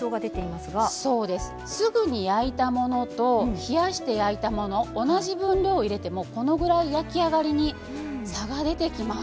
すぐに焼いたものと冷やして焼いたもの同じ分量を入れても焼き上がりに差が出てきます。